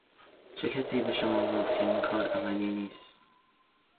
چه کسی به شما گفت که این کار عملی نیست.